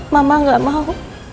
mama gak mau